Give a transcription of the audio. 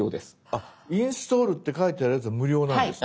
あっ「インストール」って書いてあるやつは無料なんですね。